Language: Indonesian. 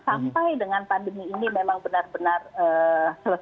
sampai dengan pandemi ini memang benar benar selesai